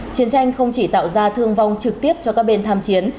chiến tranh không chỉ tạo ra thương vong trực tiếp cho các bên tham chiến